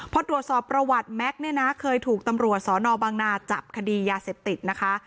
พอตรวจสอบประวัติแม็กซ์เนี่ยนะเคยถูกตำรวจสอนอบังนาจับคดียาเสพติดนะคะ